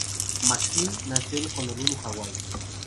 Maxim nació en Honolulu, Hawái.